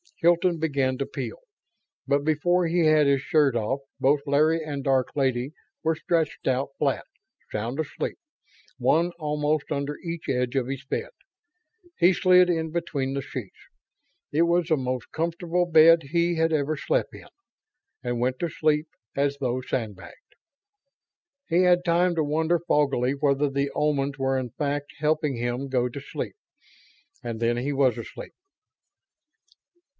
Hilton began to peel, but before he had his shirt off both Larry and Dark Lady were stretched out flat, sound asleep, one almost under each edge of his bed. He slid in between the sheets it was the most comfortable bed he had ever slept in and went to sleep as though sandbagged. He had time to wonder foggily whether the Omans were in fact helping him go to sleep and then he was asleep.